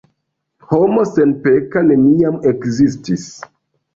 Homo senpeka neniam ekzistis.